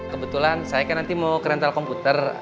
kebetulan saya kan nanti mau ke rental komputer